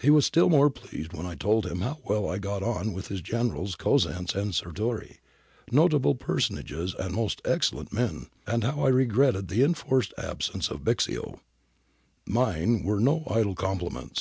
He was still more pleased when I told him how well I got on with his generals Cosenz and Sirtori, notable personages and most excellent' men, and how I regretted the enforced absence of Bixio Mine were no idle compliments.